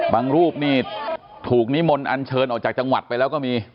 รูปนี่ถูกนิมนต์อันเชิญออกจากจังหวัดไปแล้วก็มี